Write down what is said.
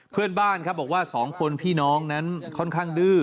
เพื่อนบ้านครับบอกว่า๒คนนั้นค่อนข้างดื้อ